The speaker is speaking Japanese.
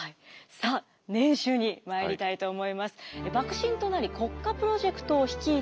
さあ年収にまいりたいと思います。